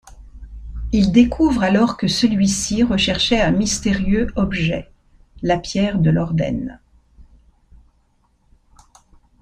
Il découvre alors que celui-ci recherchait un mystérieux objet - la pierre de lorden.